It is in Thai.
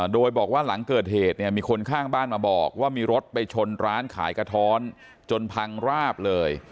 โดยบอกว่าหลังเกิดเหตุเนี่ยมีคนข้างบ้านมาบอกว่ามีรถไปชนร้านขายกระท้อนจนพังราบเลย